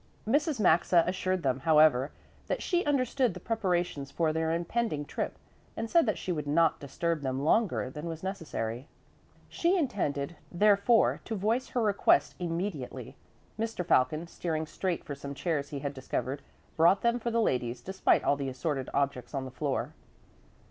Mrs. Maxa assured them, however, that she understood the preparations for their impending trip and said that she would not disturb them longer than was necessary. She intended, therefore, to voice her request immediately. Mr. Falcon, steering straight for some chairs he had discovered, brought them for the ladies despite all the assorted objects on the floor.